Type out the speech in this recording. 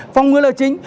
phòng ngừa là chính